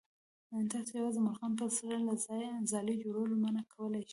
تاسو یوازې مرغان په سر له ځالې جوړولو منع کولی شئ.